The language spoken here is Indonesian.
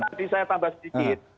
iya iya maka tadi saya tambah sedikit